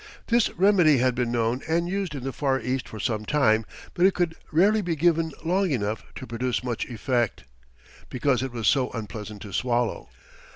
This remedy had been known and used in the Far East for some time, but it could rarely be given long enough to produce much effect, because it was so unpleasant to swallow.